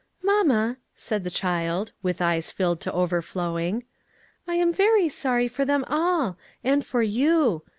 "Mamma," said the child, with eyes filled to overflowing, "I am very sorry for them all, and for you.